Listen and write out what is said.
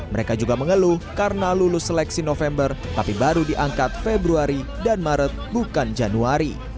mereka juga mengeluh karena lulus seleksi november tapi baru diangkat februari dan maret bukan januari